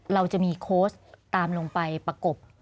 เราจะมีโค้ชตามลงไปประกบ